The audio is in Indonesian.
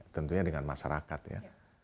tentunya dengan masyarakat ya